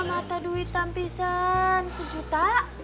aloh aloh mata duitan pisan satu juta